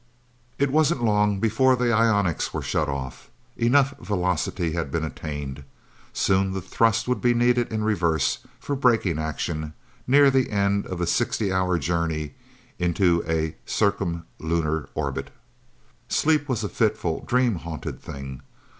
It wasn't long before the ionics were shut off. Enough velocity had been attained. Soon, the thrust would be needed in reverse, for braking action, near the end of the sixty hour journey into a circumlunar orbit. Sleep was a fitful, dream haunted thing.